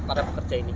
para pekerja ini